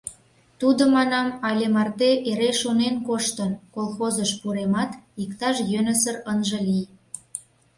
Тудо, манам, але марте эре шонен коштын: колхозыш пуремат, иктаж йӧнысыр ынже лий.